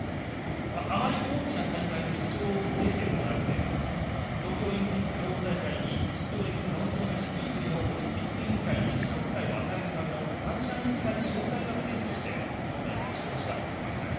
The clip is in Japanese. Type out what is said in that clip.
あまり大きな大会の出場経験もなくて東京オリンピック競技大会に出場できる可能性が低い国のオリンピック委員会に出場機会を与えるための三者委員会招待枠選手として今大会出場資格を得ました。